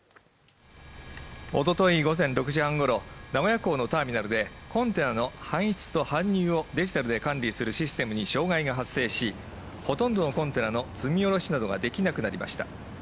おととい午前６時半ごろ、名古屋港のターミナルでコンテナの搬出と搬入をデジタルで管理するシステムに障害が発生し、ほとんどのコンテナの積み降ろしなどができなくなりました。